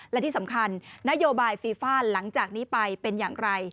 และที่สำคัญนโยบายฟีฟ่านหลังจากนี้ไปเป็นอย่างไร